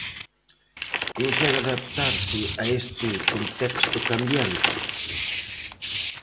Consegue adaptarse a este contexto cambiante?